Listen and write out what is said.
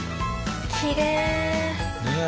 きれい。ね。